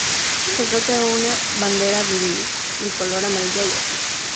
Se trata de una bandera bicolor amarilla y azul.